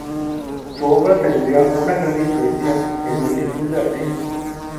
Su obra tendría una gran influencia en multitud de artistas.